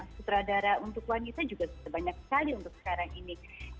sutradara untuk wanita juga sudah banyak sekali untuk sekarang ini